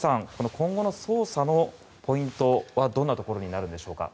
今後の捜査のポイントはどんなところになるんでしょうか？